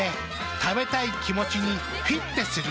食べたい気持ちにフィッテする。